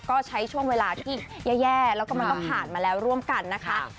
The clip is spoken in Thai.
ก็ใช้ช่วงเวลาที่แย่แล้วก็มันก็ผ่านมาแล้วร่วมกันนะคะ